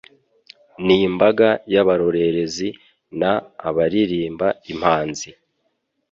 N' imbaga y' abarorerezi;N' abaririmba impanzi,